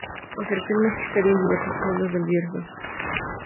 Ejerció el magisterio en diversos pueblos del Bierzo.